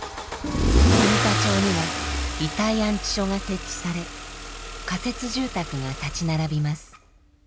住田町には遺体安置所が設置され仮設住宅が立ち並びます。